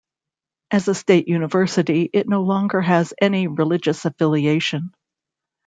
As a state university it no longer has any religious affiliation.